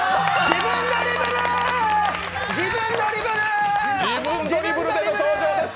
自分ドリブルで登場です！